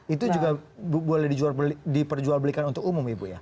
itu juga boleh diperjual belikan untuk umum ibu ya